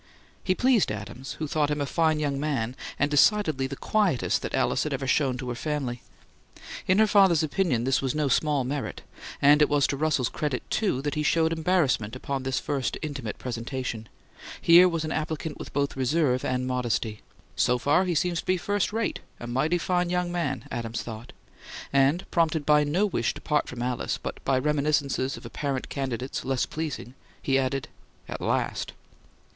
He pleased Adams, who thought him a fine young man, and decidedly the quietest that Alice had ever shown to her family. In her father's opinion this was no small merit; and it was to Russell's credit, too, that he showed embarrassment upon this first intimate presentation; here was an applicant with both reserve and modesty. "So far, he seems to be first rate a mighty fine young man," Adams thought; and, prompted by no wish to part from Alice but by reminiscences of apparent candidates less pleasing, he added, "At last!"